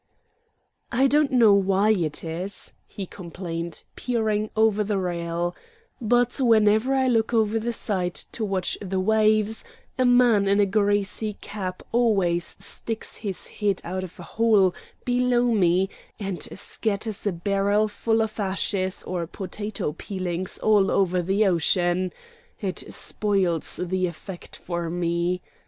"I don't know why it is," he complained, peering over the rail, "but whenever I look over the side to watch the waves a man in a greasy cap always sticks his head out of a hole below me and scatters a barrelful of ashes or potato peelings all over the ocean. It spoils the effect for one.